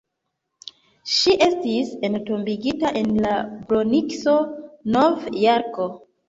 Ŝi estis entombigita en la Bronkso, Nov-Jorko.